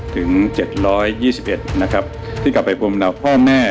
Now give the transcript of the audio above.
ถึง๗๒๑นะครับที่กลับไปปรุงเป็นพ่อแม่